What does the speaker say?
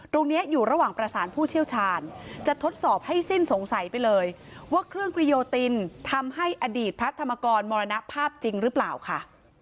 อยู่ระหว่างประสานผู้เชี่ยวชาญจะทดสอบให้สิ้นสงสัยไปเลยว่าเครื่องกรีโยตินทำให้อดีตพระธรรมกรมรณภาพจริงหรือเปล่าค่ะ